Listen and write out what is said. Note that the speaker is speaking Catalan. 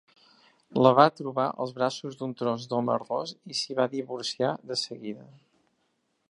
La va trobar als braços d'un tros d'home ros i s'hi va divorciar de seguida.